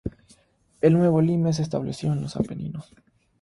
El nuevo "limes" se estableció en los Apeninos.